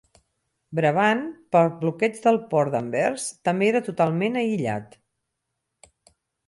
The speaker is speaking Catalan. Brabant, pel bloqueig del port d'Anvers, també era totalment aïllat.